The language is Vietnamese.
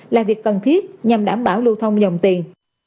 là việc cần thiết nhằm đảm bảo lưu thông dòng tiền